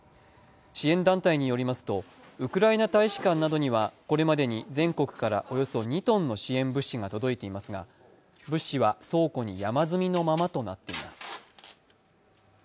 支援団体によりますと、ウクライナ大使館などにはこれまでに全国からおよそ２ｔの支援物資が届いていますが物資は倉庫に山積みのままとなっています。